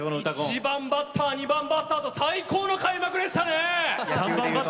一番バッター２番バッターと最高の盛り上がりでしたね！